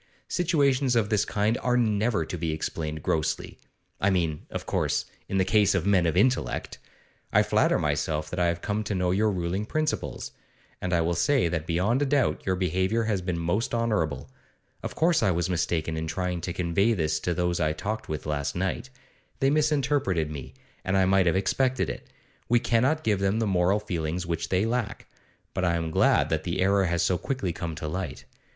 Situations of this kind are never to be explained grossly; I mean, of course, in the case of men of intellect. I flatter myself that I have come to know your ruling principles; and I will say that beyond a doubt your behaviour has been most honourable. Of course I was mistaken in trying to convey this to those I talked with last night; they misinterpreted me, and I might have expected it. We cannot give them the moral feelings which they lack. But I am glad that the error has so quickly come to light.